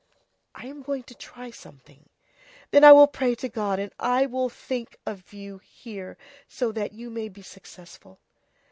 "I am going to try something." "Then I will pray to God and I will think of you here, so that you may be successful.